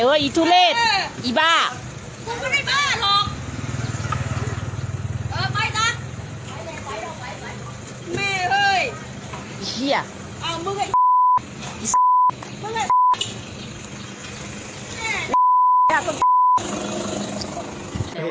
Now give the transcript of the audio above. เกี่ยว